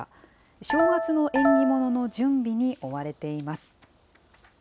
正月の縁起物の準備に追われています。